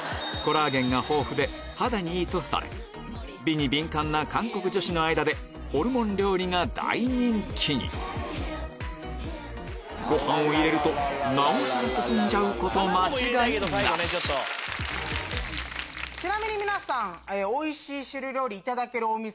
肌にいいとされ美に敏感な韓国女子の間でホルモン料理が大人気にご飯を入れるとなおさら進んじゃうこと間違いなしちなみに皆さんおいしい汁料理いただけるお店。